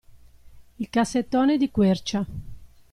Il cassettone di quercia.